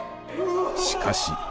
しかし。